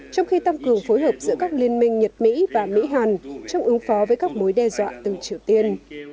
trong khi tăng cường phối hợp giữa các liên minh nhật mỹ và mỹ hàn trong ứng phó với các mối đe dọa từng triều tiên